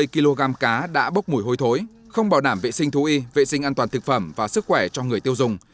ba mươi kg cá đã bốc mùi hôi thối không bảo đảm vệ sinh thú y vệ sinh an toàn thực phẩm và sức khỏe cho người tiêu dùng